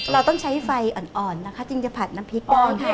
เราต้องใช้ไฟอ่อนนะคะจึงจะผัดน้ำพริกได้